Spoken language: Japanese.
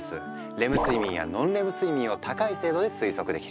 レム睡眠やノンレム睡眠を高い精度で推測できる。